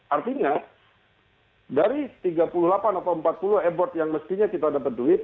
artinya dari tiga puluh delapan atau empat puluh e board yang mestinya kita dapat duit